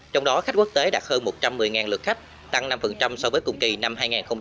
trong đó khách quốc tế đạt hơn một trăm một mươi lực khách tăng năm so với cùng kỳ năm hai nghìn một mươi bảy